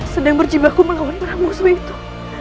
sedang berjibaku melawan para musuh itu